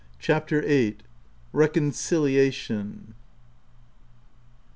133 CHAPTER VIII. RECONCILIATION.